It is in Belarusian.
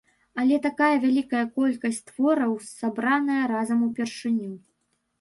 Але такая вялікая колькасць твораў сабраная разам упершыню.